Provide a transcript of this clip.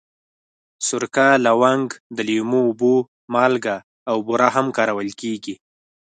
سرکه، لونګ، د لیمو اوبه، مالګه او بوره هم کارول کېږي.